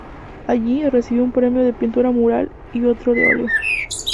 Allí, recibió un premio de pintura mural y otro de óleo.